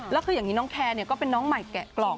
แล้วก็เป็นน้องแคร์เป็นน้องใหม่แกะกล่อง